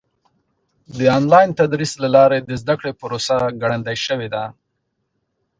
د آنلاین تدریس له لارې د زده کړې پروسه ګړندۍ شوې ده.